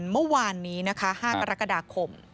เมื่อวานนี้นะคะ๕กรกฎาคม